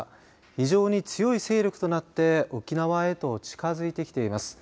非常に強い勢力となって沖縄へと近づいてきています。